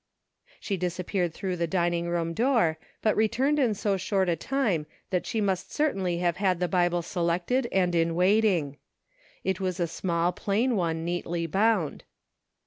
She disappeared through the dining room door, but returned in so short a time that she must cer tainly have had the Bible selected and in waiting. It was a small plain one, neatly bound.